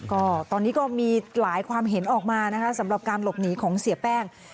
ก็ตอนนี้ก็มีหลายความเห็นออกมานะคะสำหรับการหลบหนีของเสียแป้ง